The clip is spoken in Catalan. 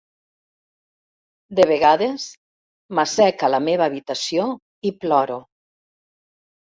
De vegades, m'assec a la meva habitació i ploro.